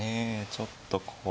ちょっとここ。